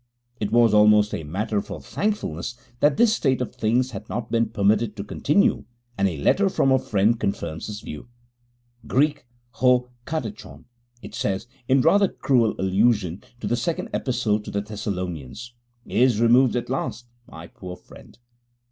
It was almost a matter for thankfulness that this state of things had not been permitted to continue, and a letter from a friend confirms this view. '[Greek: ho katechôn],' it says (in rather cruel allusion to the Second Epistle to the Thessalonians), 'is removed at last. My poor friend!